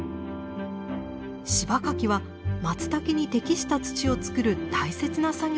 柴かきはマツタケに適した土を作る大切な作業だったのです。